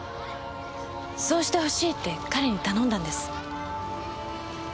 そうしてほしいって彼に頼んだんです。